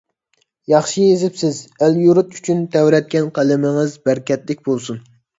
ياخشى يېزىپسىز. ئەل-يۇرت ئۈچۈن تەۋرەتكەن قەلىمىڭىز بەرىكەتلىك بولسۇن!